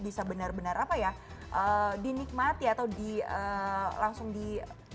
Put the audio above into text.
bisa benar benar apa ya dinikmati atau langsung di